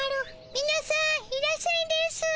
みなさんいらっしゃいですぅ。